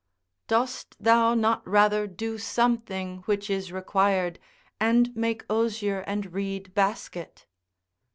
["'Dost thou not rather do something which is required, and make osier and reed basket."